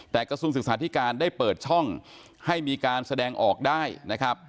แต่กระทรวงศึกษาธิการได้เปิดช่องให้มีการแสดงออกได้นะครับ